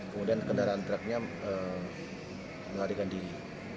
kemudian kendaraan truknya melarikan diri